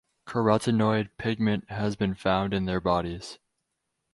Carotenoid pigment has been found in their bodies.